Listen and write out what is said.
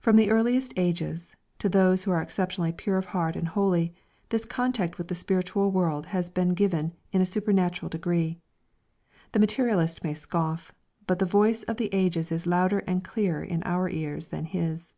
From the earliest ages, to those who are exceptionally pure of heart and holy, this contact with the spiritual world has been given in a supernatural degree. The materialist may scoff, but the voice of the Ages is louder and clearer in our ears than his.